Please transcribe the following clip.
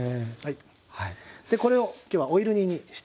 でこれを今日はオイル煮にしていきます。